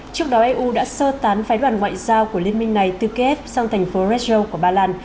trước đó eu đã sơ tán phái đoàn ngoại giao của liên minh này từ kiev sang thành phố rezheal của ba lan